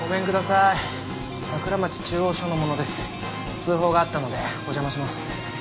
通報があったのでお邪魔します。